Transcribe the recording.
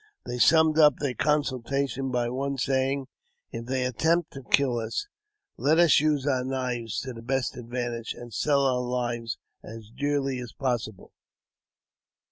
They summed up their consultation by one saying, " If they attempt to kill us, let us use our knives to the best advantage^ and sell our lives as dearly as possible.''